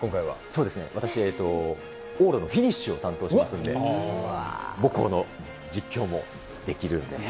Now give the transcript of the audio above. そうですね、私、往路のフィニッシュを担当してますんで、母校の実況もできるんで。